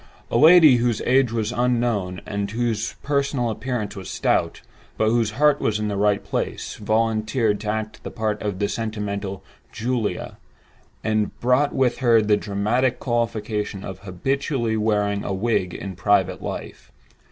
A lady whose age was unknown, and whose personal appearance was stout—but whose heart was in the right place—volunteered to act the part of the sentimental "Julia," and brought with her the dramatic qualification of habitually wearing a wig in private life.